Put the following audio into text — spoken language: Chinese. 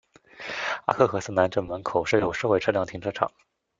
阿克和瑟南站门口设有社会车辆停车场。